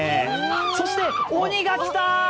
そして、鬼が来たー！